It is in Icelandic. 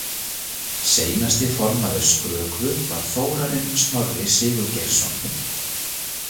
Seinasti formaður Skrökvu var Þórarinn Snorri Sigurgeirsson.